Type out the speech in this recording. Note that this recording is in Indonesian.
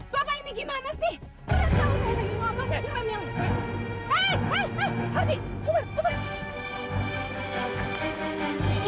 bapak ini gimana sih